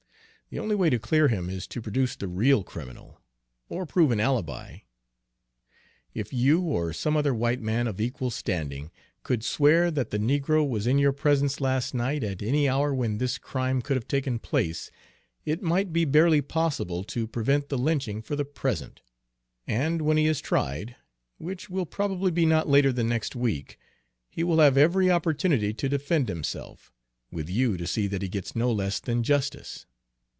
The only way to clear him is to produce the real criminal, or prove an alibi. If you, or some other white man of equal standing, could swear that the negro was in your presence last night at any hour when this crime could have taken place, it might be barely possible to prevent the lynching for the present; and when he is tried, which will probably be not later than next week, he will have every opportunity to defend himself, with you to see that he gets no less than justice.